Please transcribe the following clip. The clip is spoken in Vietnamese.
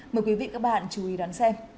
mời quý vị các bạn chú ý đón xem